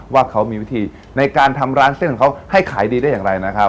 ว่าเขามีวิธีในการทำร้านเส้นของเขาให้ขายดีได้อย่างไรนะครับ